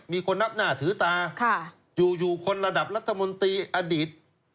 มีคนนับหน้าถือตาอยู่คนระดับรัฐมนตรีอดีต